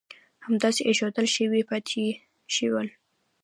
همداسې اېښودل شوي پاتې شول.